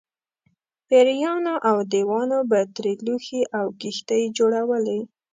پېریانو او دیوانو به ترې لوښي او کښتۍ جوړولې.